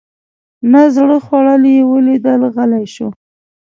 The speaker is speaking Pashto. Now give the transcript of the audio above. نه زړه خوړل یې ولیدل غلی شو.